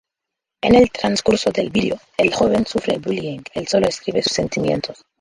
En el transcurso del vídeo, el joven sufre "bullying", el solo escribe sus sentimientos.